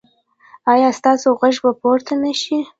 ایا ستاسو غږ به پورته نه شي؟